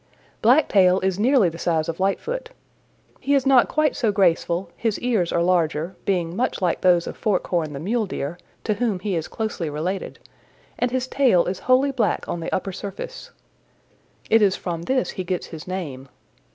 Blacktail is nearly the size of Lightfoot. He is not quite so graceful, his ears are larger, being much like those of Forkhorn the Mule Deer, to whom he is closely related, and his tail is wholly black on the upper surface. It is from this he gets his name.